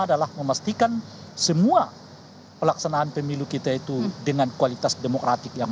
adalah memastikan semua pelaksanaan pemilu kita itu dengan kualitas demokratik yang